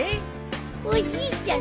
おじいちゃん